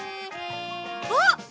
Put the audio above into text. あっ！